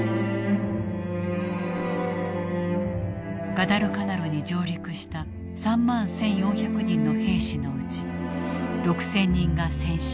ガダルカナルに上陸した３万１，４００人の兵士のうち６，０００人が戦死。